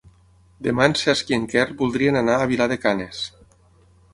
Demà en Cesc i en Quer voldrien anar a Vilar de Canes.